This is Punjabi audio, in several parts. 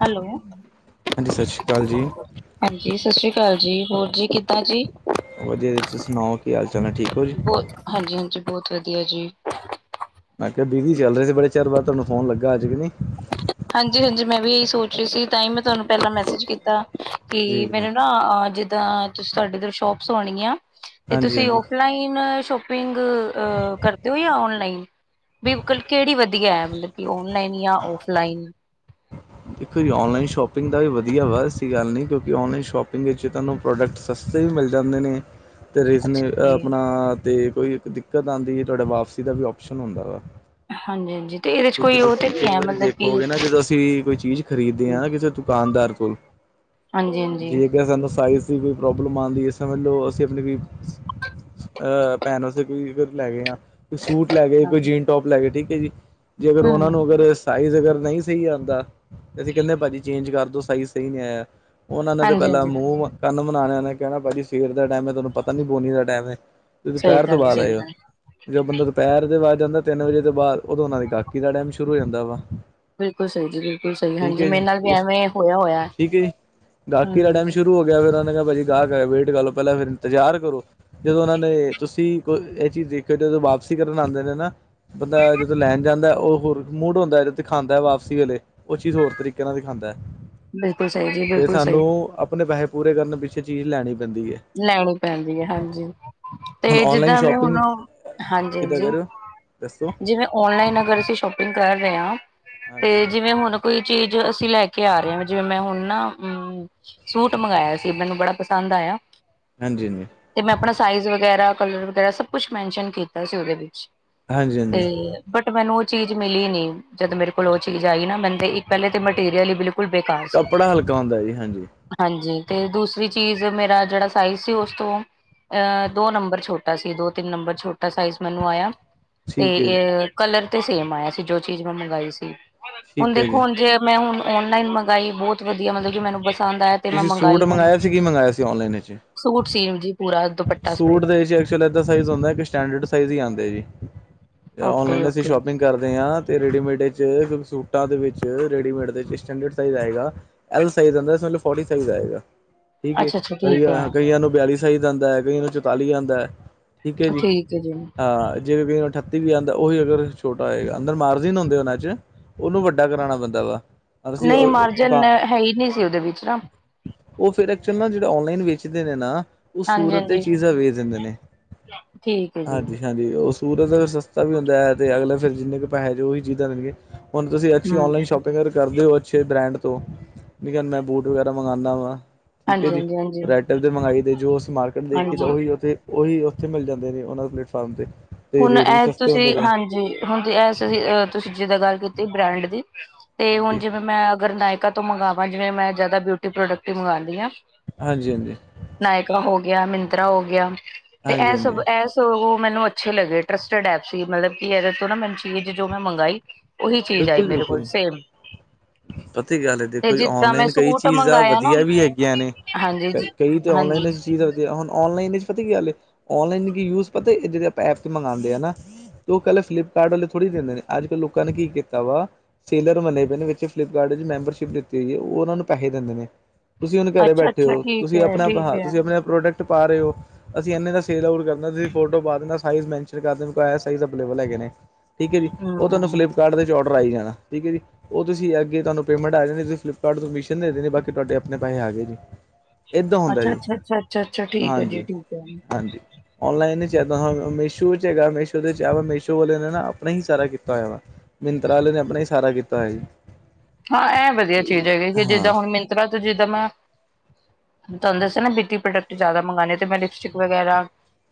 ਹੈਲੋ। ਹਾਂਜੀ ਸਤਿ ਸ਼੍ਰੀ ਅਕਾਲ ਜੀ ਹਾਂਜੀ ਸਤਿ ਸ਼੍ਰੀ ਅਕਾਲ ਜੀ ਹੋਰ ਜੀ ਕਿੱਦਾਂ ਜੀ ਵਧੀਆ ਤੁਸੀਂ ਸੁਣਾਓ ਕੀ ਹਾਲ ਚਾਲ ਹੈ ਠੀਕ ਹੋ ਜੀ। ਬਹੁਤ ਹਾਂਜੀ ਹਾਂਜੀ ਬਹੁਤ ਵਧੀਆ ਜੀ। ਮੈਂ ਕਿਹਾ ਬੀਜ਼ੀ ਚੱਲ ਰਹੇ ਸੀ ਬੜੇ ਚਿਰ ਬਾਅਦ ਤੁਹਾਨੂੰ ਫੋਨ ਲੱਗਾ ਅੱਜ ਕਿ ਨੀ। ਹਾਂਜੀ ਹਾਂਜੀ, ਮੈਂ ਵੀ ਇਹੀ ਸੋਚ ਰਹੀ ਸੀ ਤਾਂ ਹੀ ਮੈਂ ਤੁਹਾਨੂੰ ਪਹਿਲਾਂ ਮੈਸੇਜ ਕੀਤਾ। ਤੇ ਜੀ ਜੀ ਮੈਨੂੰ ਨਾ ਜਿੱਦਾਂ ਤੁਸੀਂ ਤੁਹਾਡੇ ਇੱਧਰ ਸ਼ੋਪਸ ਆਉਣੀਆਂ। ਤੇ ਹਾਂਜੀ ਤੁਸੀਂ ਹਾਂਜੀ ਆਫਫਲਾਈਨ ਸ਼ੋਪ ਕਰਦੇ ਹੋ ਜਾਂ ਔਨਲਾਈਨ ਵੀ ਕੱਲ ਕਿਹੜੀ ਵਧੀਆ ਐ ਮਤਲਬ ਕਿ ਔਨਲਾਈਨ ਜਾਂ ਔਫਲਾਈਨ ਦੇਖੋ ਜੀ ਔਨਲਾਈਨ ਸ਼ੋਪਿੰਗ ਦਾ ਵੀ ਵਧੀਆ ਵਾ ਐਸੀ ਗੱਲ ਨਹੀਂ ਕਿਉਂਕਿ ਔਨਲਾਈਨ ਸ਼ੋਪਿੰਗ ਵਿੱਚ ਤੁਹਾਨੂੰ ਪ੍ਰੋਡਕਟ ਸਸਤੇ ਵੀ ਮਿਲ ਜਾਂਦੇ ਨੇ। ਤੇ ਰਿਸਨ ਅੱਛਾ ਤੇ ਆਪਣਾ ਤੇ ਕੋਈ ਦਿੱਕਤ ਆਉਂਦੀ ਹੈ ਤੁਹਾਡੇ ਵਾਪਸੀ ਦਾ ਵੀ ਆਪਓਸ਼ਨ ਹੁੰਦਾ ਵਾ। ਹਾਂਜੀ ਹਾਂਜੀ ਤੇ ਇਹਦੇ ਚ ਕਿਉਂਕਿ ਕੋਈ ਉਹ ਤੇ ਤੁਸੀਂ ਨੀ ਕਈ ਹੈ ਵਾਰੀ ਮਤਲਬ ਕਿ ਦੇਖੋਗੇ ਨਾ ਜਦੋਂ ਅਸੀਂ ਕੋਈ ਚੀਜ਼ ਖਰੀਦਦੇ ਹਾਂ ਨਾ ਕਿਸੇ ਦੁਕਾਨਦਾਰ ਕੋਲ। ਹਾਂਜੀ ਹਾਂਜੀ ਜੀ ਕਹਿ ਸਕ ਸਾਈਜ਼। ਕੋਈ ਪ੍ਰੋਬਲਮ ਆਉਂਦੀ ਹੈ ਸਮਝ ਲਓ ਅਸੀਂ ਆਪਣੀ ਕੋਈ ਭੈਣ ਅਸੀਂ ਕੋਈ ਲੈ ਗਏ ਆ ਕੋਈ ਸੂਟ ਲੈ ਗਏ ਕੋਈ ਹਾਂਜੀ ਜੀਨ ਟੋਪ ਲੈ ਗਏ ਠੀਕ ਹੈ ਜੀ ਜੇ ਅਗਰ ਉਹਨਾਂ ਹਮ ਨੂੰ ਅਗਰ ਸਾਈਜ਼ ਅਗਰ ਨਹੀਂ ਸਹੀ ਆਉਂਦਾ ਅਸੀਂ ਕਹਿੰਦੇ ਭਾਜੀ ਚੇਂਜ ਕਰਦੋ ਸਾਈਜ਼ ਸਹੀ ਨਹੀਂ ਆਇਆ। ਉਹਨਾਂ ਨੇ ਤੇ ਹਾਂਜੀ ਪਹਿਲਾਂ ਹਾਂਜੀ ਮੂੰਹ ਕੰਨ ਮਨਾਣੇਿਆਂ ਨੇ ਕਹਿਣਾ ਭਾੀ ਸਵੇਰ ਦਾ ਟਾਈਮ ਹੈ ਤੁਹਾਨੂੰ ਪਤਾ ਨੀ ਬੋਨੀ ਦਾ ਟਾਈਮ ਹੈ। ਂ ਸਹੀ ਦੁਪਹਿਰ ਤੋਂ ਗੱਲ ਹੈ ਬਾਅਦ ਸਹੀ ਆਏ ਹੋ। ਗੱਲ ਜ ਬੰਦਾ ਦੁਪਹਿਰ ਦੇ ਬਾਅਦ ਜਾਂਦਾ ਤਿੰਨ ਵਜੇ ਤੋਂ ਬਾਅਦ ਉਹਦੋਂ ਉਹ ਦੀ ਗਾਕੀ ਦਾ ਟਾਈਮ ਸ਼ੁਰੂ ਹੋ ਜਾਂਦਾ ਵਾ। ਬਿਲਕੁਲ ਸਹੀ ਜੀ ਬਿਲਕੁਲ ਸਹੀ ਠੀਕ ਹਾਂਜੀ ਹੈ ਮੇਰੇ ਜੀ ਨਾਲ ਵੀ ਉਸ ਐਵੇਂ ਹੋਇਆ ਹੋਇਆ ਠੀਕ ਹੈ ਜੀ ਗਾਹਕੀ ਦਾ ਟਾਈਮ ਹਮ। ਸ਼ੁਰੂ ਹੋ ਗਿਆ ਫੇਰ ਉਹਨਾਂ ਨੇ ਕਿਹਾ ਭਾਜੀ ਗਾਹਕ ਵੇਟ ਕਰ ਲਓ ਪਹਿਲਾਂ ਫੇਿਰ ਇੰਤਜ਼ਾਰ ਕਰੋ ਜਦੋਂ ਉਹਨਾਂ ਨੇ ਤੁਸੀਂ। ਕੋ ਇਹ ਚੀਜ਼ ਦੇਖਿਓ ਜਦੋਂ ਵਾਪਸੀ ਕਰਨ ਆਉਂਦੇ ਨੇ ਨਾ ਬੰਦਾ ਜਦੋਂ ਲੈਣ ਜਾਂਦਾ। ਉਹ ਹੋਰ ਮੂਡ ਹੁੰਦਾ ਜ ਦਿਖਾਂਦਾ ਵਾਪਸੀ ਵੇਲੇ ਉਹ ਚੀਜ਼ ਹੋਰ ਤਰੀਕੇ ਨਾਲ ਦਿਖਾਦਾ ਹੈ। ਬਿਲਕੁਲ ਸਹੀ ਜੀ ਤੇ ਬਿਲਕੁਲ ਸਹੀ ਸਾਨੂੰ ਆਪਣੇ ਪੈਸੇ ਪੂਰੇ ਕਰਨ ਪਿੱਛੇ ਚੀਜ਼ ਲੈਣੀ ਪੈਂਦੀ ਹੈ। ਲੈਣੀ ਪੈਂਦੀ ਹੈ ਹਾਂਜੀ ਹੁਣ ਤੇ ਔਨਲਾਈਨ ਜਿੱਦਾਂ ਵੀ ਹੁਣ ਸ਼ੋਪਿੰਗ ਹਾਂਜੀ ਕਿੱਦਾਂ ਹਾਂਜੀ। ਕਹਿ ਰਹੇ ਹੋ ਦੱਸੋ? ਜਿਵੇਂ ਔਨਲਾਈਨ ਅਗਰ ਅਸੀਂ ਸ਼ੋਪਿੰਗ ਕਰ ਰਹੇ ਹਾਂ ਤੇ ਹਾਂਜੀ ਜਿਵੇਂ ਹੁਣ ਕੋਈ ਚੀਜ਼ ਅਸੀਂ ਲੈ ਕੇ ਆ ਰਹੇ ਹਾਂ ਜਿਵੇਂ ਮੈਂ ਹੁਣ ਨਾ ਹੂੰ,। ਸੂਟ ਮੰਗਵਾਇਆ ਸੀ ਮੈਨੂੰ ਬੜਾ ਪਸੰਦ ਆਇਆ। ਹਾਂਜੀ ਹਾਂਜੀ, ਤੇ ਮੈਂ ਆਪਣਾ ਸਾਈਜ਼ ਵਗੈਰਾ ਕਲਰ ਵਗੈਰਾ ਸਭ ਕੁਛ ਮੈਨਸ਼ਨ ਕੀਤਾ ਸੀ ਉਹਦੇ ਵਿੱਚ ਹਾਂਜੀ ਹਾਂਜੀ ਤੇ ਬਟ ਮੈਨੂੰ ਉਹ ਚੀਜ਼ ਮਿਲੀ ਨੀ ਜਦ ਮੇਰੇ ਕੋਲ ਉਹ ਚੀਜ਼ ਆਈ ਨਾ ਮ ਪਹਿਲੇ ਤੇ ਮਟੀਰੀਅਲ ਬਿਲਕੁਲ। ਬੇਕਾਰ ਸੀ ਕੱਪੜਾ ਹਲਕਾ ਹੁੰਦਾ ਜੀ ਹਾਂਜੀ। ਹਾਂਜੀ ਤੇ ਦੂਸਰੀ ਚੀਜ਼ ਮੇਰਾ ਜਿਹੜਾ ਸਜ਼ ਸੀ ਉਸ ਤੋਂ ਅ ਦੋ ਨੰਬਰ ਛੋਟਾ ਸੀ ਦੋ ਤਿੰਨ ਨੰਬਰ ਛੋਟਾ ਸਾਈਜ਼ ਮੈਨੂੰ ਆਇਆ। ਤੇ ਠੀਕ ਹੈ ਜੀ ਕਲਰ ਤੇ ਸੇਮ ਆਇਆ ਸੀ ਜੋ ਚੀਜ਼ ਮੈਂ ਮੰਗਈ ਸੀ। ਹੁਣ ਠੀਕ ਹੈ ਦੇਖੋ ਜੀ ਹੁਣ ਜੇ ਮੈਂ ਹੁ ਔਨਲਾਈ ਮੰਗਵਾਾਈ ਬਹੁਤ ਵਧੀਆ ਮਤਲਬ ਕਿ ਮੈਨੂੰ ਬੱਸ ਪਸੰਦਇਆ ਮੈਂ ਮੰਗਾਈ ਕਰਨਾ। ਮ ਮੰਗਾਇਆ ਸੀ ਔਨਲਾਈਨ ਚ। ਸੂਟ ਸੀਮ ਜੀ ਪੂਰਾ ਦੁਪੱਟਾ ਸਮੇਤ ਸੂਟ ਦੇ ਐਕਚੁਅਲ ਏਦਾਂ ਸਾਈਜ਼ ਹੁੰਦਾ ਕਿ ਸਟੈਂਡਰਡ ਸਾਈਜ਼ ਹੀ ਆਉਂਦੇ ਜੀ। ਜਾਂ ਓਕੇ ਔਨਲਾਈਨ ਅਸੀਂ ਓਕੇ ਸ਼ੋਪਿੰਗ ਕਰਦੇ ਹਾਂ, ਤੇ ਰੇਡੀਮੇਡ ਵਿੱਚ ਸੂਟਾਂ ਦੇ ਵਿੱਚ ਰੇਡੀਮੇਡ ਦੇ ਵਿੱਚ ਸਟੈਂਡਰਡ ਸਾਈਜ਼ ਆਏਗਾ। ਆਈ ਸਾਈਜ ਆਦਾ ਸੋਨੂੰ ਫੋਰਟੀ ਸਾਈਜ਼ ਆਏਗਾ, ਠੀਕ ਹੈ ਅੱਛਾ ਅੱਛਾ ਠੀਕ ਹੈ ਕਈਆਂ ਕਈਆਂ ਨੂੰ ਬਿਆਲੀ ਜਾਂਦਾ ਹੈ ਕਈ ਨੂੰ ਚੁਤਾਲੀ ਆਦਾ ਹੈ, ਠੀਕ ਹੈ ਜੀ ਹੈ ਜੀ ਹਾਂ। ਜੇਵੇ ਕਈ ਅਠੱਤੀ ਵੀ ਆਦਾ ਉਹੀ ਅਗਰ ਛੋਟਾ ਹੈਗਾ, ਅੰਦਰ ਮਾਰਜਨ ਹੁੰਦੇ ਉਹਨਾਂ ਚ ਉਹਨੂੰ ਵੱਡਾ ਕਰਾਉਣਾ ਪੈਂਦਾ ਵਾ ਅਸੀਂ ਨਹੀਂ ਮਾਰਜਨ ਦੁਕਾਨ ਹੈ ਹੀ ਨਹੀਂ ਸੀ ਉਹਦੇ ਵਿੱਚ ਨਾ ਉਹ ਫਿਰ ਐਕਚੁਅਲ ਨਾ ਜਿਹੜੇ ਔਨਲਾਈਨ ਵੇਚਦੇ ਨੇ ਨਾ। ਉਹ ਹਾਂਜੀ ਸੂਰਤ ਦੀ ਹਾਂਜੀ ਚੀਜ਼ਾਂ ਵੇਚ ਦਿੰਦੇ ਨੇ ਠੀਕ ਹੈ ਜੀ ਹਾਂਜੀ। ਹਾਂਜੀ ਉਹ ਸੂਰਤ ਸਸਤਾ ਵੀ ਹੁੰਦਾ ਹੈ, ਤੇ ਅਗਲੇ ਫਿਰ ਜਿੰਨੇ ਕੁ ਪੈਸੇ ਚ ਉਹੀ ਚੀਜ਼ਾਂ ਦੇਣਗੇ। ਹੁ ਤੁਸੀਂੱਸੀ ਹਮ ਔਨਲਾਨ ਸ਼ੋਪ ਪ ਕਰਦੇ ਹੋ ਅੱਛੇ ਬ੍ਰੈਂਡ ਤੋਂ, ਲੇਕਿਨ ਮੈਂ ਬੂਟ ਵਗੈਰਾ ਮੰਗਉਂਦਾ ਵਾਂ। ਠੀਕ ਹੈ ਹਾਂਜੀ ਜੀ, ਹਾਂਜੀ ਹਾਂਜੀ ਰੈਅਟੈਲ ਤੇ ਮੰਗਾਈ ਦੇ ਜੋ ਅਸੀਂ ਮਾਰਕੀਟ ਦੇਖੀ ਤਾਂ ਹਾਂਜੀ ਉਹੀ ਉੱਥੇ। ਉਹੀ ਉੱਥੇ ਮਿਲ ਜਾਂਦੇ ਨੇ ਉਹਨਾਂ ਪਲੇਟਫਾਰਮ ਤੇ ਤੇ ਹੁਣ ਰੇਟ ਵੀ ਇਹ ਸਸਤੇ ਤੁਸੀਂ ਹੁੰਦੇ ਨੇ ਹਾਂਜੀ ਹੁਣ ਐ ਤੁਸੀਂ ਜਿੱਦਾਂ ਗੱਲ ਕੀਤੀ ਬ੍ਰਾਂਡ ਦੀ, ਤੇ ਹੁਣ ਹਾਂਜੀ, ਜਿਵੇਂ ਮੈਂ ਅਗਰ ਨਾਇਕਾ ਤੋਂ ਮੰਗਵਾ ਜਿਵੇਂ ਮੈਂ ਜਿਆਦਾ ਬਿਊਟੀ ਪ੍ਰੋਡਕਟ ਹੀ ਮੰਗਦੀ ਹਾਂ। ਹਾਂਜੀ-ਹਾਂਜੀ, ਨਾਇਕਾ ਹੋ ਗਿਆ, ਮਿੰਤਰਾ ਹੋ ਗਿਆ, ਤੇ ਇਹ ਸਭ ਹਾਂਜੀ-ਹਾਂਜੀ। ਇਹ ਸ ਮੈਨੂੰ ਅੱਛੇ ਲਗੇ ਟਰਸਟਡ ਐਪ ਸੀ ਮਤਲਬ, ਇਹਦੇ ਤੋਂ ਨਾ ਮੈਨੂੰ ਚੀਜ਼ ਜੋ ਮੈਂ ਮੰਗਾਈ। ਓਹੀ ਚੀਜ਼ ਆਈ ਮੇਰੇ ਕੋਲ ਸੇਮ ਸਈ ਗੱਲ ਹੈ ਤੇ ਦੇਖੋ ਜੀ, ਜਿੱਦਾਂ ਮੈਂ ਔਨਲਾਈਨ ਕਈ ਸੂਟ ਚੀਜ਼ ਆ ਮੰਗਾਇਆ ਨਾ ਵਧੀਆ ਵੀ ਹੈਗੀਆਂ ਨੇ। ਹਾਂਜੀ ਕ ਜੀ ਕਈ ਤੇ ਹਾਂਜੀ ਔਨਲਾਈਨ ਚੀਜ਼ ਹੁਣ ਔਨਲਾਈਨ ਪਤਾ ਕੀ ਔਨਲਾਈਨ ਯੂ ਪਤਾ ਜਿਹੜੇ ਆਪਾਂ ਐਪ ਤੇ ਮੰਗਉਂਦੇ ਆ ਨਾ। ਉਹ ਕੱਲ ਫਲਿੱਪਕਾਰਟ ਵਾਲੇ ਥੋੜੀ ਦਿੰਦੇ, ਨੇ ਅੱਜ-ਕੱਲ੍ਹ ਲੋਕਾਂ ਨੇ ਕੀ ਕੀਤਾ। ਵਾ ਸੇਲਰ ਮਲੇ ਪਏ ਨੇ ਵਿੱਚ ਫਲਿੱਪਕਾਰਟ ਵਿੱਚ ਮੈਂਬਰਸ਼ਿਪ ਦਿੱਤੀ ਹੋਈ ਹੈ, ਉਹਨਾਂ ਨੂੰ ਪੈਸੇ ਦਿੰਦੇ ਨੇ। ਤੁਸੀਂ ਹੁਣ ਘਰੇ ਅੱਛਾ ਬੈਠੇ ਅੱਛਾ ਹੋ, ਠੀਕ ਤੁਸੀਂ ਹੈ ਆਪਣਾ ਠੀਕ ਹੈ ਤੁਸੀਂ ਹਮ ਆਪਣਾ ਪ੍ਰੋਡਕਟ ਪਾ ਰਹੇ ਹੋ। ਅਸੀਂ ਇਨੇ ਦਾ ਸੇਲ ਆਓਟ ਕਰਨਾ ਤੁਸੀਂ ਫੋਟੋ ਪਾ ਦੇਣਾ ਤੁਸੀ ਸਾਈਜ ਮੇਨਸਨ ਕਰ ਦੇਣਾ [unintelligible] ਹੈਗੇ ਨੇ। ਠੀਕ ਹੈ ਜੀ, ਉਹ ਤੁਹਾਨੂੰ ਫਲਿੱਪਕਾਰਟ ਔਡਰ ਆਈ ਜਾਣਾ ਠੀਕ ਹੈ ਜੀ। ਉਹ ਤੁਸੀਂ ਅੱਗੇ ਤੁਹਾਨੂੰ ਪੇਮੈਂਟ ਆ ਜਾਣੀ ਤੁਸੀਂ ਫਲਿੱਪਕਾਰਟ ਤੋਂ ਮੀਸ਼ਨ ਦੇਣੀ ਬਾਕੀ ਤੁਹਾਡੇ ਆਪਣੇ ਪੈਸੇ ਆਗੇ ਜੀ। ਏਦਾਂ ਹੁੰਦਾ ਅੱਛਾ ਜੀ, ਅੱਛਾ ਅੱਛਾ ਅੱਛਾ ਅੱਛਾ ਠੀਕ ਹੈ ਜੀ ਠੀਕ ਹੈ ਹਾਂਜੀ-ਹਾਂਜੀ। ਔਨਲਾਈਨ ਚ ਐਦਾ ਮੀਸ਼ੋ ਚ ਹੈਗਾ, ਮੀਸ਼ੋ-ਮੀਸ਼ੋ ਵਾਲਿਆਂ ਆਪਣਾ ਹੀ ਸਾਰਾ ਕੀਤਾ ਹੋਇਆ ਵਾ, ਮਿੰਤਰਾਲੇ ਨੇ ਆਪਣਾ ਹੀ ਸਾਰਾ ਕੀਤਾ। ਤਾ ਏ। ਹਾਂ ਇਹ ਵਧੀਆ ਚੀਜ਼ ਹੈਗੀ, ਜਿੱਦਾਂ ਹੁਣ ਮਿੰਤਰਾ ਤੋਂ ਜਿੱਦਾਂ ਮੈਂ। ਤੁਹਾਨੂੰ ਦੱਸ ਨਾ ਬੀਤੀ ਪ੍ਰੋਡਕਟ ਜ਼ਿਆਦਾ ਮੰਗਉਣੇ ਤੇ ਮੈਂ ਲਿਪਸਟਿਕ ਵਗੈਰਾ।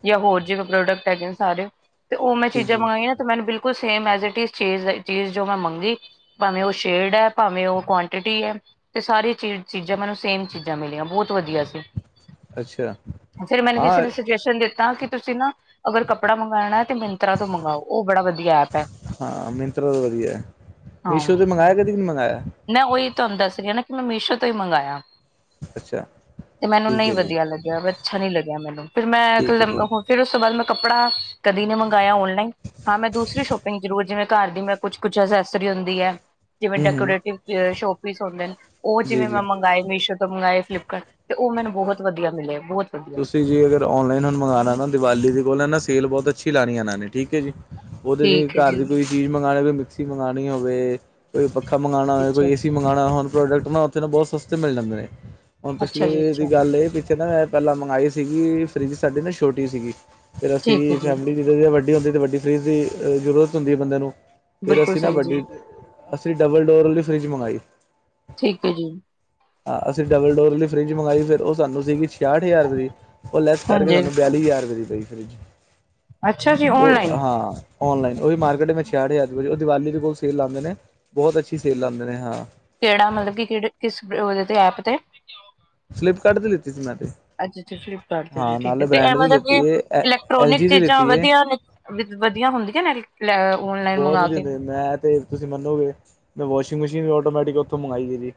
ਜਾਂ ਹੋਰ ਜਿਵੇ ਪ੍ਰੋਡਕਟ ਹੈਗੇ ਨੇ ਸਾਰੇ, ਤੇ ਉਹ ਮੈਂ ਜੀ ਚੀਜ਼ਾਂ ਜੀ ਮੰਗਵਾਈਆਂ ਨਾ ਤੇ ਮੈਨੂੰ ਬਿਲਕੁਲ ਸੇਮ ਐਜਟ ਚੀਜ਼-ਚੀਜ਼ ਜੋ ਮੈਂ ਮੰਗੀ ਭਾਵੇੈਂ ਉਹ ਸ਼ੇੜ ਹੈ ਭਾਵੇਂ ਉਹ ਕੁਆਂਟਿਟੀ ਹੈ। ਤੇ ਸਾਰੇ ਚੀ ਚੀਜ਼ਾਂ ਮੈਨੂੰ ਸੇਮ ਚੀਜ਼ਾਂ ਮਿਲੀਆਂ ਬਹੁਤ ਵਧੀਆ ਸੀ। ਅੱਛਾ ਫਿਰ ਮੈਨੂੰ ਕਿਸੇ ਹਾਂ ਨੂੰ ਦਿੱਤਾ ਕਿ ਤੁਸੀਂ ਨਾ ਅਗਰ ਕੱਪੜਾ ਮੰਗਉਣਾ ਹੈ, ਤੇ ਮਿੰਤਰਾਂ ਤੋਂ ਮੰਗਵਾਓ ਉਹ ਬੜਾ ਵਧੀਆ ਐ। ਹਾਂ ਮਿੰਤਰਾ ਦਾ ਵਧੀਆ, ਮੀਸ਼ੋ ਤੇ ਮੰਗਵਾਇਆ ਕਦੀ ਕਿ ਨਹੀਂ ਮੰਗਾਇਆ। ਮ ਉਹੀ ਤੁਹਾਨੂੰ ਦੱਸ ਰਹੀ ਨਾ ਕਿ, ਮੈਂ ਮੀਸ਼ੋ ਤੋਂ ਹੀ ਮੰਗਾਇਆ। ਅੱਛਾ ਤੇ ਮੈਨੂੰ ਠੀਕ ਨਹੀਂ ਹੈ ਜੀ ਵਧੀਆ ਲੱਗਿਆ, ਅੱਛਾ ਨੀ ਲੱਗਿਆ ਮੈਨੂੰ ਫਿਰ ਮੈਂ ਠੀਕ ਹੈ ਜੀ ਫਿਰ ਉਸ ਤੋਂ ਬਾਅਦ ਮੈਂ ਕੱਪੜਾ ਕਦੀ ਨੇ ਮੰਗਵਾਇਆ ਔਨਲਾਈਨ। ਹਾਂ ਮੈਂ ਦੂਸਰੀ ਸ਼ੋਪਿੰਗ ਜ਼ਰੂਰ ਜਿਵੇਂ ਘਰ ਦੀ ਮੈਂ ਕੁਛ-ਕੁਛ ਅਸੈਸਰੀ ਹੁੰਦੀ ਹੈ। ਜਿਵੇਂ ਹਮ ਹਮ ਡੈਕੋਰੇਟਿ ਸ਼ੋਪੀਸ ਹੁੰਦੇ ਨੇ, ਉਹ ਜੀ ਜਿਵੇਂ ਜੀ ਮੈਂ ਮੰਗਵਾਏ ਮੀਸ਼ੋ ਮੰਗਵਾਏ ਫਲਿੱਪਕਾਰਟ ਤੇ ਉਹ ਮੈਨੂੰ ਬਹੁਤ ਵਧੀਆ ਮਿਲੇ ਬਹੁਤ ਵਧੀਆ ਤੁਸੀਂ ਜੀ ਅਗਰ ਔਨਲਾਈਨ ਮੰਗਉਣਾ ਨਾ ਦੀਵਾਲੀ ਦੇ ਕੋਲ ਨਾ ਸੇਲ ਬਹੁਤ ਅੱਛੀ ਲਾਣੀ ਇਹਨਾਂ ਨੇ ਠੀਕ ਹੈ ਜੀ। ਉਹਦੇ ਜ ਠੀਕ ਹੈ ਘਰ ਜੀ ਦੀ ਕੋਈ ਚੀਜ਼ ਮੰਗਾਲੇ ਕੋਈ ਮਿਕਸੀ ਮੰਗਉਣੀ ਹੋਵੇ, ਕੋਈ ਪੱਖਾ ਮੰਗਾਣਾ ਹੋਵੇ, ਅੱਛਾ ਕੋਈ ਏਸੀ ਮੰਗਾਣਾ ਹੋਏ ਹੋਰ ਪ੍ਰੋਡਕਟ ਨਾ ਉੱਥੇ ਨੂੰ ਬਹੁਤ ਸਸਤੇ ਮਿਲ ਜਾਂਦੇ ਨੇ। ਹੁਣ ਅੱਛਾ ਜੀ ਪਿਛਲੀ ਦੀ ਅੱਛਾ ਗੱਲ ਇਹ ਪਿੱਛੇ ਨਾ ਮੈਂ ਪਹਿਲਾਂ ਮੰਗਾਈ ਸੀਗੀ ਫਰਿੱਜ ਸਾਡੀ ਨਾ ਛੋਟੀ ਸੀਗੀ। ਫਿਰ ਅਸੀਂ ਠੀਕ ਹੈ ਜੀ ਫੈਮਿਲੀ ਜਿੱਦੋਂ ਜਿਵੇਂ ਵੱਡੀ ਹੁੰਦੀ ਤਾਂ ਵੱਡੀ ਫਰੀਜ਼ ਦੀ ਜ਼ਰੂਰਤ ਹੁੰਦੀ ਬੰਦੇ ਨੂੰ। ਫਿਰ ਬਿਲਕੁਲ ਅਸੀਂ ਨਾ ਸਹੀ ਜੀ ਵੱਡੀ, ਅਸੀਂ ਡਬਲ ਡੋਰ ਵਾਲੀ ਫਰਿਜ ਮੰਗਾਈ। ਠੀਕ ਏ ਜੀ। ਹਾਂ ਅਸੀਂ ਡਬਲ ਡੋਰ ਲਈ ਫਰਿਜ ਮੰਗਈ ਫਿਰ ਉਹ ਸਾਨੂੰ ਸੀਗੀ ਛਿਆਹਠ ਹਜ਼ਾਰ ਰੁਪਏ ਦੀ। ਉਹ ਲੈਸ ਕਰਕੇ ਹਾਂਜੀ ਤੁਹਾਨੂੰ ਬਿਆਲੀ ਹਜ਼ਾਰ ਰੁਪਏ ਦੀ ਪਈ ਫਰਿਜ, ਅੱਛਾ ਜੀ ਉਹ ਔਨਲਾਈਨ ਹਾਂ। ਔਨਲਾਈਨ ਉਹ ਵੀ ਮਾਰਕੀਟ ਮੈਂ ਛਿਆਹਠ ਹਜ਼ਾਰ ਦੇ ਉਹ ਦੀਵਾਲੀ ਦੇ ਕੋਲ ਸੇਲ ਲਾਂਦੇ ਨੇ ਬਹੁਤ ਅੱਛੀ ਸੇਲ ਲਾਂਦੇ ਨੇ ਹਾਂ। ਕਿਹੜਾ ਮਤਲਬ ਕਿ ਕਿਹੜੇ ਕਿਸ ਉਹਦੇ ਤੇ ਐਪ ਤੇ। ਫਲਿਪ ਕਾਰਡ ਦੇ ਲੀਤੀ ਸੀ ਮੈਂ। ਅੱਛਾ-ਅੱਛਾ ਫਲਿਪ ਕਾਰਡ ਤੋਂ ਲਈ ਹਾਂ ਠੀਕ ਏ ਨਾਲੇ ਤੇ ਬ੍ਰੈਂਡ ਦੀ ਐਮਾਜੋਨ ਤੋਂ, ਲਿੱਤੀ ਏ ਐਲ ਇਲੈਕਟ੍ਰੋਨਿਕ ਜੀ ਦੀ ਚੀਜ਼ਾਂ ਲਿੱਤੀ ਏ ਵਧੀਆ ਨੇ। ਵਧੀਆ ਹੁੰਦੀਆਂ ਨੇ ਔਨਲਾਈਨ ਬਹੁਤ ਮੰਗਵਾ ਵਧੀਆ ਕੇ? ਹੁੰਦੇ ਮੈਂ ਤੇ ਤੁਸੀਂ ਮੰਨੋਗੇ, ਮੈਂ ਵਾਸ਼ਿੰਗ ਮਸ਼ੀਨ ਵੀ ਆਟੋਮੈਟਿਕ ਉੱਥੋਂ ਮੰਗਾਈ ਹੈ ਜੀ।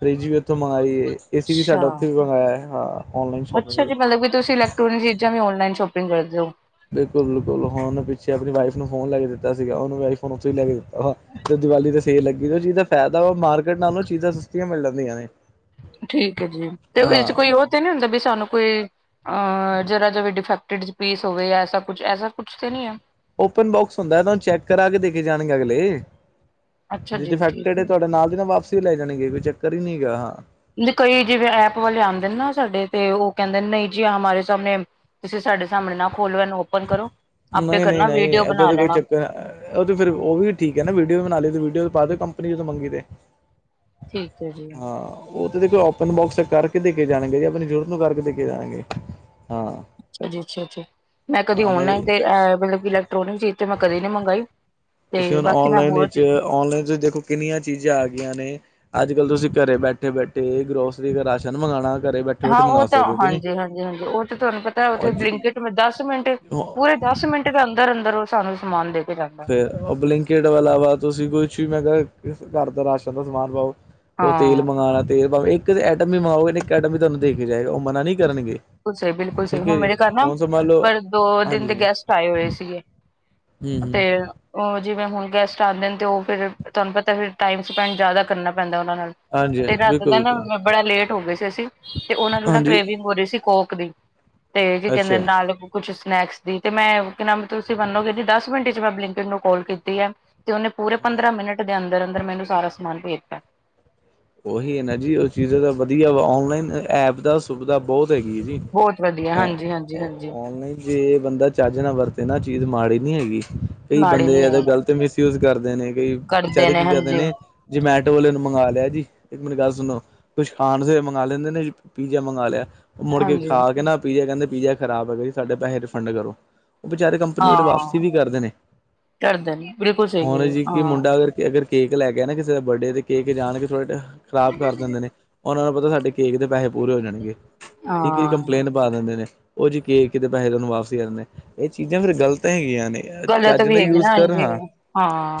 ਫਰਿੱਜ ਵੀ ਉੱਥੋਂ ਮੰਗਵਾਈ ਹੈ, ਏ ਸੀ ਵੀ ਅੱਛਾ ਸਾਡਾ ਉੱਥੇ ਵੀ ਮੰਗਵਾਆ ਹਾਂ ਔਨਲਾਈਨ ਸ਼ੋਪਿੰਗ ਅੱਛਾ ਜੀ ਵਿੱਚ। ਮਤਲਬ ਕਿ ਤੁਸੀਂ ਲ਼ੈ [unintelligible] ਚੀਜ਼ਾਂ ਵੀ ਔਨਲਾਈਨ ਸ਼ੋਪਿੰਗ ਕਰਦੇ ਓ। ਬਿਲਕੁਲ-ਬਿਲਕੁਲ ਹੁਣ ਪਿੱਛੇ ਆਪਣੀ ਵਾਈਫ ਨੂੰ ਫੋਨ ਲ ਕੇ ਦਿੱਤਾ ਸੀਗਾ ਉਹਨੂੰ ਆਈ ਫੋਨ ਉੱਥੋਂ ਹੀ ਲੈ ਕੇ ਦਿੱਤਾ। ਆਹ ਤੇ ਦੀਵਾਲੀ ਤੇ ਸੇਰ ਲੱਗੀ ਉਹ ਚੀਜ਼ ਦਾ ਫਾਇਦਾ ਵਾ ਮਾਰਕੀਟ ਨਾਲੋਂ ਚੀਜ਼ਾਂ ਸਸਤੀਆਂ ਮਿਲ ਜਾਂਦੀਆਂ ਨੇ। ਠੀਕ ਹੈ ਜੀ, ਤੇ ਉਹਦੇ ਚ ਕੋਈ ਹਾਂ ਉਹ ਤੇ ਨੀ ਹੁੰਦਾ ਵੀ ਸਾਨੂੰ ਕੋਈ ਅਹ ਜਰਾ ਜਿਵੇ ਡਿਫੈਕਟਡ ਪੀਸ ਹੋਵੇ ਕੁਛ ਐਸਾ ਕੁਛ ਤੇ ਨਹੀਂ ਐ? ਓਪਨ ਬੋਕਸ ਹੁੰਦਾ ਤਾਂ ਉਹਨੂੰ ਚੈੱਕ ਕਰਾ ਕੇ ਦੇ ਕੇ ਜਾਣਗੇ ਅਗਲੇ। ਅੱਛਾ ਜੇ ਜੀ ਠੀਕ ਡਫੈਕਟਡ ਤੁਹਾਡੇ ਨਾਲ ਦੀ ਨਾ ਵਾਪਸੀ ਲੈ ਜਾਣੀਗੇ ਕੋਈ ਚੱਕਰ ਹੀ ਨਹੀਂ ਹੈਗਾ ਹਾਂ। ਕਈ ਜਿਵੇਂ ਐਪ ਵਾਲੇ ਆਉਂਦੇ ਨੇ ਨਾ ਸਾਡੇ ਤੇ ਉਹ ਕਹਿੰਦੇ ਨਹੀਂ ਜੀ ਹਮਾਰੇ ਸਾਹਮਣੇ ਤੁਸੀਂ ਸਾਡੇ ਸਾਹਮਣੇ ਨਾ ਖੋਲੋ ਇਹਨੂੰ ਓਪਨ ਕਰੋ, ਆਪੇ ਕਰਨਾ ਨਹੀਂ-ਨਹੀਂ-ਨਹੀਂ ਵੀਡੀਓ ਏਦਾਂ ਬਣਾ ਦਾ ਕੋਈ ਲੈਣਾ। ਚੱਕਰ ਉਹ ਤੇ ਫੇਰ ਉਹ ਵੀ ਠੀਕ ਹੈ ਨਾ ਵੀਡੀਓ ਵੀ ਬਣਾ ਲਈ ਲਈ ਤੇ ਵੀਡੀਓ ਪਾ ਦਿਓ ਕੰਪਨੀ ਜਦੋਂ ਮੰਗੀ ਤੇ। ਠੀਕ ਹੈ ਜੀ ਹਾਂ, ਉਹ ਤਾਂ ਦੇਖੋ ਬੋਕਸ ਕਰਕੇ ਦੇ ਕੇ ਜਾਣਗੇ ਜਾਂਦੇ ਆਪਣੀ ਜ਼ਰੂਰਤ ਨੂੰ ਕਰਕੇ ਦੇ ਕੇ ਜਾਣਗੇ, ਹਾਂ। ਅੱਛਾ ਜੀ ਅੱਛਾ-ਅੱਛਾ, ਮੈਂ ਕਦੀ ਔਨਲਾਈਨ ਤੇ ਅ ਮਤਲਬ ਕਿ ਇਲੈਕ੍ਰਿਕ ਚੀਜ਼ ਤੇ ਮੈਂ ਕਦੇ ਨੀ ਮੰਗਾਈ। ਤੁਸੀਂ ਤੇ ਹੁਣ ਬਾਕੀ ਮੈਂ ਔਨਲਾਈਨ ਹੋਰ ਵਿੱਚ ਚੀਜ਼ ਔਨਲਾਈਨ ਚ ਦੇਖੋ ਕਿੰਨੀਆਂ ਚੀਜ਼ਾਂ ਆ ਗਈਆਂ ਨੇ। ਅੱਜ ਕੱਲ ਤੁਸੀਂ ਘਰੇ ਬੈਠੇ-ਬੈਠੇ ਗਰੋਸਰੀ ਦਾ ਰਾਸ਼ਨ ਮੰਗਵਾਉਣਾ ਘਰੇ ਬੈਠੇ ਹਾਂ ਬੈਠੇ ਉਹ ਮੰਗਵਾ ਤਾਂ ਸਕਦੇ ਹੋ ਕਿ ਨਹੀਂ ਹਾਂਜੀ-ਹਾਂਜੀ ਹਾਂਜੀ ਉਹ ਤਾਂ ਤੁਹਾਨੂੰ ਪਤਾ ਉਥੇ ਬਲਿੰਨਕਿਟ ਦਸ ਮਿੰਟ ਪੂਰੇ ਦਸ ਮਿੰਟ ਦੇ ਅੰਦਰ-ਅੰਦਰ ਉਹ ਸਾਨੂੰ ਸਮਾਨ ਦੇ ਕੇ ਜਾਂਦਾ। ਉਹ ਬਲਿੰਕੇਟ ਵਾਲ ਵਾ ਤੁਸੀਂ ਕੁਛ ਵੀ ਮੈਂ ਕਿਹਾ ਘਰ ਦਾ ਰਾਸ਼ਨ ਦਾ ਸਮਾਨ ਪਾਓ। ਉਹ ਤੇਲ ਹਾਂ ਮੰਗਾਣਾ ਤੇਲ ਭਾਵੇਂ ਇੱਕ ਆਟਮ ਵੀ ਮੰਗਵਾਓਗੇ ਇੱਕ ਆਟਮ ਵੀ ਤੁਹਾਨੂੰ ਦੇਖ ਕੇ ਜਾਏਗਾ ਉਹ ਮਨਾ ਨਹੀਂ ਕਰਨਗੇ। ਬਿਲਕੁਲ ਸਹੀ ਬਿਲਕੁਲ ਸਹੀ ਠੀਕ ਹੈ ਹੁਣ ਜੀ ਮੇਰੇ ਘਰ ਨਾ, ਹੁਣ ਸਮਝ ਲਓ ਪਰ ਦੋ ਦਿਨ ਹਾਂਜੀ ਦੇ ਜੀ ਗੈਸਟ ਆਏ ਹੋਏ ਸੀਗੇ। ਹੂੰ ਤੇ ਹੂੰ ਉਹ ਜਿਵੇਂ ਹੁਣ ਗੈਸਟ ਆਉਂਦੇ ਨੇ ਤੇ ਉਹ ਫੇਰ ਤੁਹਾਨੂੰ ਪਤਾ ਫਿਰ ਟਾਈਮ ਸਪੈਂਡ ਜ਼ਿਆਦਾ ਕਰਨਾ ਪੈਂਦਾ ਉਹਨਾਂ ਨਾਲ। ਹਾਂਜੀ ਹਾਂਜੀ ਤੇ ਰਾਤ ਬਿਲਕੁਲ ਦਾ ਬਿਲਕੁਲ ਨਾ ਬੜਾ ਲੇਟ ਹੋ ਗਏ ਸੀ ਅਸੀ, ਤੇ ਉਹਨਾਂ ਨੂੰ ਨਾ ਹਾਂਜੀ ਕਰੇਵਿੰਗ ਹੋ ਰਹੀ ਸੀ। ਕੋਕ ਦੀ, ਤੇ ਜੀ ਕਹਿੰਦੇ ਅੱਛਾ ਨਾਲ ਕੁਛ ਸਨੈਕਸ ਦੀ ਤੇ ਮੈਂ ਨਾਮ ਤੁਸੀਂ ਮੰਨੋਗੇ ਨੀ ਦਸ ਮਿੰਟੇ ਚ ਮੈਂ ਬਲਿੰਕਇਟ ਨੂੰ ਕਾਲ ਕੀਤੀ ਆ ਤੇ ਉਹਨੇ ਪੂਰੇ ਪੰਦਰਾਂ ਮਿੰਟ ਦੇ ਅੰਦਰ-ਅੰਦਰ ਮੈਨੂੰ ਸਾਰਾ ਸਮਾਨ ਭੇਜਤਾ। ਉਹੀ ਹੈ ਨਾ ਜੀ ਉਹ ਚੀਜ਼ ਦਾ ਵਧੀਆ ਵਾ ਔਨਲਾਈਨ ਐਪ ਦਾ ਸੁਵਿਧਾ ਬਹੁਤ ਹੈਗੀ ਹੈ ਜੀ। ਬਹੁਤ ਵਧੀਆ ਹਾਂਜੀ ਹਾਂਜੀ ਹਾਂਜੀ। ਔਨਲਾਈਨ ਜੇ ਬੰਦਾ ਚੱਜ ਨਾ ਵਰਤੇ ਨਾ ਚੀਜ਼ ਮਾੜੀ ਨੀ ਹੈਗੀ, ਕਈ ਮਾੜੀ ਬੰਦੇ ਨੀ ਇਹਦਾ ਐ ਗਲਤ ਮਿਸ ਯੂਜ ਕਰਦੇ ਨੇ ਕਈ ਕਰਦੇ ਵਿਚਾਰੇ ਕੀ ਕਰਦੇ ਨੇ ਹਾਂਜੀ-ਹਾਂਜੀ ਜਮੈਟੋ ਵਾਲੇ ਨੂੰ ਮੰਗਵਾ ਲਿਆ ਜੀ। ਇੱਕ ਮੇਰੀ ਗੱਲ ਸੁਣੋ, ਕੁਛ ਖਾਣ ਸ ਮੰਗਵਾ ਲੈਂਦੇ ਨੇ ਪੀਜ਼ਾ ਮੰਗਵਾ ਲਿਆ, ਉਹ ਮੁੜ ਕੇ ਖਾ ਕੇ ਨਾ ਪੀਜ਼ਾ ਕਹਿੰਦੇ ਪੀਜ਼ਾ ਖਰਾਬ ਹੈਗਾ ਜੀ ਸਾਡੇ ਪੈਸੇ ਰਿਫੰਡ ਕਰੋ। ਉਹ ਵਿਚਾਰੇ ਕੰਪਨੀ ਵਾਲੇ ਵਾਪਸੀ ਹਾਂ। ਵੀ ਕਰਦੇ ਨੇ। ਕਰਦੇ ਨੇ ਬਿਲਕੁਲ ਸਹੀ ਹੁਣ ਐ ਜੀ ਕਿ ਮੁੰਡਾ ਅਗਰ ਕਿ ਅਗਰ ਕੇਕ ਲੈ ਕੇ ਗਿਆ ਨਾ ਕਿਸੇ ਦਾ ਬਰਡੇ ਤੇ ਕੇਕ ਜਾਣ ਕੇ ਥੋੜ੍ਹਾ ਜਿਹਾ ਖ਼ਰਾਬ ਕਰ ਦਿੰਦੇ ਨੇ ਉਹਨਾਂ ਨੂੰ ਪਤਾ ਸਾਡੇ ਕੇਕ ਦੇ ਪੈਸੇ ਪੂਰੇ ਹੋ ਜਾਣਗੇ। ਠੀਕ ਹੈ ਜੀ ਹਾਂ-ਹਾਂ ਕੰਪਲੇਂਟ ਪਾ ਦਿੰਦੇ ਨੇ। ਉਹ ਜੀ ਕੇਕ ਦੇ ਪੈਸੇ ਉਹਨੂੰ ਵਾਪਸ ਹੀ ਕਰਨੇ ਇਹ ਚੀਜ਼ਾਂ ਫੇਰ ਗਲਤ ਹੈਗੀਆਂ ਨੇ। ਗਲਤ ਚੱਜ ਵੀ ਨਾਲ ਹੈਗੀ ਯੂਜ ਨਾ ਕਰ ਹਾਂਜੀ। ਹਾਂ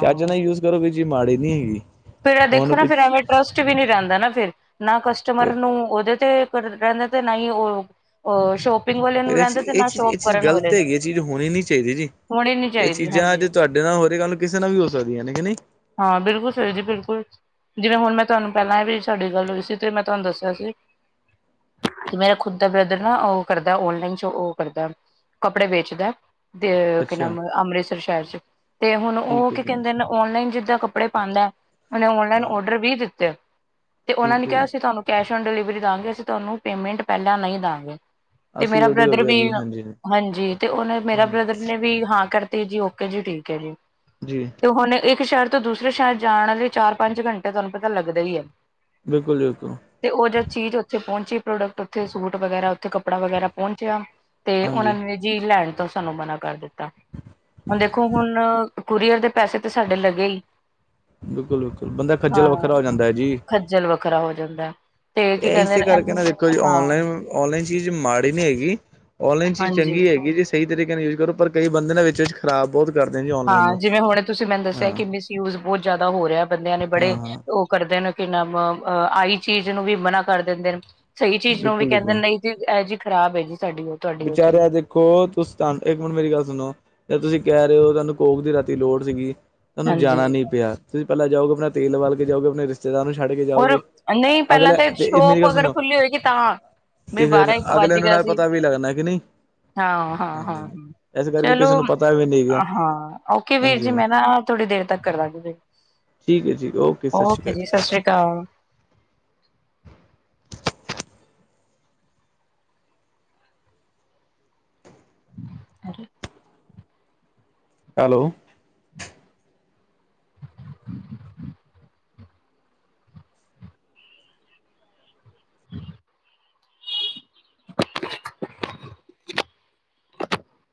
ਚੱਜ ਨਾਲ ਯੂਜ ਕਰੋ ਵੀ ਚੀਜ ਮਾੜੀ ਨੀ ਹੈਗੀ। ਫੇਰ ਹੁਣ ਦੇਖੋ ਨਾ ਪਿ ਫਿਰ ਐਵੇਂ ਟਰਸਟ ਵੀ ਨੀ ਰਹਿੰਦਾ ਨਾ ਫਿਰ ਨਾ ਕਸਟਮਰ ਨੂੰ ਉਹਦੇ ਤੇ ਰਹਿੰਦਾ ਤੇ ਨਾ ਹੀ ਉਹ ਸ਼ੋਕ ਫਿਰ ਇਹ ਚ ਇਹ ਚੀਜ਼ ਇਹ ਚੀਜ਼ ਗ਼ਲਤ ਹੈਗੀ ਇਹ ਚੀਜ਼ ਹੋਣੀ ਨੀ ਚਾਹੀਦੀ ਜੀ ਹੋਣੀ ਨੀ ਇਹ ਚਾਹੀਦੀ ਹਾਂਜੀ ਚੀਜ਼ਾਂਜੇ ਤੁਹਾਡੇ ਤੇ ਉਦੀ ਗੱਲ ਕਿਸੇ ਨਾਲ ਵੀ ਹੋ ਸਕਦੀ ਆ ਨੀ। ਹਾਂ, ਬਿਲਕੁਲ ਸਹੀ ਜੀ ਬਿਲਕੁਲ ਜਿਵੇਂ ਹੁਣ ਮੈਂ ਤੁਹਾਨੂੰ ਪਹਿਲਾਂ ਵੀ ਸਾਡੀ ਗੱਲ ਹੋਈ ਸੀ ਤੇ ਮੈਂ ਤੁਹਾਨੂੰ ਦੱਸਿਆ ਸੀ। ਤੇ ਮੇਰਾ ਖੁਦ ਦਾ ਬ੍ਰਦਰ ਨਾ ਉਹ ਕਰਦਾ ਆਨਲਾਈਨ ਉਹ ਕਰਦਾ। ਕੱਪੜੇ ਵੇਚਦਾ ਤੇਹ ਅੱਛਾ ਅੰਮ੍ਰਿਤਸਰ ਸ਼ਹਿਰ ਚ ਤੇ ਹੁਣ ਉਹ ਠੀਕ ਹੈ ਕੀ ਜੀ ਕਹਿੰਦੇ ਨੇ ਓਨਲਾਈਨ ਜ ਕੱਪੜੇ ਪਾਉਂਦਾ ਉਹਨੇ ਔਨਲਾਈਨ ਹਾਂ ਔਡਰ ਵੀ ਦਿੱਤੇ ਤੇ ਉਹਨਾਂ ਨੇ ਠੀਕ ਹੈ ਕਿਹਾ ਜੀ ਸੀ ਤੁਹਾਨੂੰ ਕੈਸ਼ ਐਡ ਡਿਲੀਵਰੀ ਦਵਾਂਗੇ ਅਸੀਂ ਤੁਹਾਨੂੰ ਪੇਮੈਂਟ ਪਹਿਲਾਂ ਨਹੀਂ ਦਾਂਗੇ। ਤੇ ਅਸੀਂ ਮੇਰਾ ਓਡੀ ਹੋ ਬ੍ਰਦਰ ਗਿਆ ਵੀ ਜੀ ਹਾਂਜੀ ਹਾਂਜੀ ਤੇ ਉਹਨੇ ਮੇਰਾ ਬ੍ਰਦਰ ਹਾਂਜੀ ਨੇ ਵੀ ਹਾਂ ਕਰਤੀ ਜੀ ਓ ਜੀ ਠੀਕ ਹੈ ਜੀ ਜੀ ਤੇ ਹੁਣ ਇੱਕ ਸ਼ਹਿਰ ਤੋਂ ਦੂਸਰੇ ਸ਼ਹਿਰ ਜਾਣ ਲਈ ਚਾਰ ਪੰਜ ਘੰਟੇ ਤੁਹਾਨੂੰ ਪਤਾ ਲੱਗਦਾ ਹੀ ਹੈ। ਬਿਲਕੁਲ- ਬਿਲਕੁਲ। ਤੇ ਉਹ ਜਦ ਚੀਜ਼ ਉੱਥੇ ਪਹੁੰਚੀ ਪ੍ਰੋਡਕਟ ਉੱਥੇ ਸੂਟ ਵਗੈਰਾ ਉੱਥੇ ਕੱਪੜਾ ਵਗੈਰਾ ਪਹੁੰਚਿਆ। ਤੇ ਉਹਨਾਂ ਹਾਂਜੀ ਨੇ ਚੀਜ ਲੈਣ ਤੋਂ ਸਾਨੂੰ ਮਨਾ ਕਰ ਦਿੱਤਾ ਹੁਣ ਦੇਖੋ ਹੁਣ ਕੁਰੀਅਰ ਦੇ ਪੈਸੇ ਤੇ ਸਾਡੇ ਲੱਗੇ ਹੀ ਬਿਲਕੁਲ - ਬਿਲਕਲ। ਹਾਂ। ਖੱਜਲ ਵੱਖਰਾ ਹੋ ਜਾਂਦਾ। ਤੇ ਕੀ ਇਹ ਕਹਿੰਦੇ ਇਸੇ ਨੇ ਕਰਕੇ ਨਾ ਦੇਖੋ ਜੀ ਹਾਂ ਔਨਲਾਈਨ ਔਨਲਾਈਨ ਚੀਜ਼ ਮਾੜੀ ਨੀ ਹੈਗੀ ਔਨਲਾਈਨ ਚੀਜ਼ ਹਾਂਜੀ ਚੰਗੀ ਹੈਗੀ ਜਿਸ ਸਹੀ ਤਰੀਕੇ ਨਾਲ ਯੂਜ਼ ਕਰੋ ਪਰ ਕਈ ਬੰਦੇ ਨੇ ਵਿੱਚ ਖਰਾਬ ਬਹੁਤ ਕਰਦੇ ਜੀ। ਔਨਲਾਈਨ ਹਾਂ। ਨੂੰ। ਜਿਵੇਂ ਹੁਣ ਤੁਸੀਂ ਮੈਨੂੰ ਦੱਸਿਆ ਕਿ ਮਿਸਯੂਜ ਬਹੁਤ ਜ਼ਿਆਦਾ ਹੋ ਰਿਹਾ ਬੰਦਿਆਂ ਨੇ ਬੜੇ ਹਾਂ-ਹਾਂ-ਹਾਂ ਕਰਦੇ ਨੇ ਕਿ ਨ ਅ ਆਈ ਚੀਜ਼ ਨੂੰ ਵੀ ਮਨਾ ਕਰ ਦਿੰਦੇ ਨੇ ਸਹੀ ਚੀਜ਼ ਨੂੰ ਵੀ ਕਹਿੰਦੇ ਬਿਲਕੁਲ-ਬਿਲਕੁਲ ਨਹੀਂ। ਇਹ ਜੀ ਖ਼ਰਾਬ ਹੈ ਜੀ ਸਾਡੀ ਉਹ ਤੁਹਾਡੀ ਉਹ ਚੀਜ਼ ਵਿਚਾਰਿਆਂ ਦੇ ਤੁਸੀਂ ਇੱਕ ਮਿੰਟ ਮੇਰੀ ਗੱਲ ਸੁਣੋ ਤੁਸੀਂ ਕਹਿ ਰਹੇ ਹੋ ਤੁਹਾਨੂੰ ਕੋਕ ਦੀ ਰਾਤੀ ਲੋੜ ਸੀਗੀ। ਤੁਹਾਨੂੰ ਹਾਂਜੀ ਜਾਣਾ ਨੀ ਪਿਆ ਤੁਸੀਂ ਪਹਿਲਾਂ ਜਾਓਗੇ ਆਪਣਾ ਤੇਲ ਬਾਲ ਕੇ ਜਾਓਗੇ ਆਪਣੇ ਰਿਸ਼ਤੇ ਤੇ ਤੁਹਾਨੂੰ ਛੱਡ ਕੇ ਔਰ ਜਾਓਗੇ ਨਹੀਂ ਪਹਿਲਾਂ ਅਗਲੇ ਤਾਂ ਤੇ ਮੇਰੀ ਸ਼ੋਪ ਗੱਲ ਅਗਰ ਸੁਣੋ ਖੁੱਲੀ ਹੋਏਗੀ ਤਾਂ ਵੀ ਤੇ ਫੇਰ ਬਾਰਾਂ ਇੱਕ ਵੱਜ ਅਗਲਿਆਂ ਨੂੰ ਗਿਆ ਨਾਲ ਸੀ ਪਤਾ ਵੀ ਲੱਗਣਾ ਕਿ ਨਹੀਂ ਹਾਂ- ਹਾਂ- ਹਾਂਜੀ ਹਾਂ। ਹਾਂਜੀ ਇਸ ਕਰਕੇ ਚਲੋ ਕਿਸੇ ਨੂੰ ਪਤਾ ਵੀ ਨਹੀਂ ਗਾ ਹਾਂ ਓਕੇ ਵੀਰ ਹਾਂਜੀ ਜੀ ਹਾਂਜੀ ਮੈਂ ਨਾ ਥੋੜੀ ਦੇਰ ਤੱਕ ਕਰ ਲਾਂਗੀ ਵੀ ਠੀਕ ਹੈ ਜੀ, ਓਕੇ ਸਤਿ ਸ਼੍ਰੀ ਅਕਾਲ ਜੀ ਸਤਿ ਸ਼੍ਰੀ ਅਕਾਲ। ਹਾਂ। ਹੈਲੋ। [inaudible] [unintelligible] [unintelligible]